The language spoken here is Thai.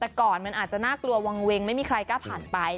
แต่ก่อนมันอาจจะน่ากลัววางเวงไม่มีใครกล้าผ่านไป